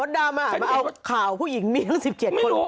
บ๊อตดามมาเอาข่าวผู้หญิงนี้ทั้ง๑๗คน